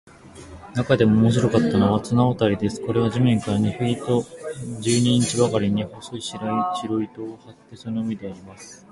なかでも面白かったのは、綱渡りです。これは地面から二フィート十二インチばかりに、細い白糸を張って、その上でやります。